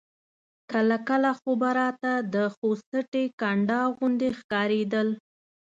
کله کله خو به راته د خوست سټې کنډاو غوندې ښکارېدل.